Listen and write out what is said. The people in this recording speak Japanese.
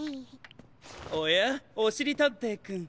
おやおしりたんていくん。